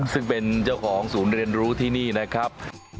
ซึ่งเป็นเจ้าของศูนย์เรียนรู้ที่นี่นะครับ